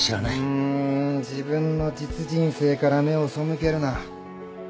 うん自分の実人生から目を背けるな。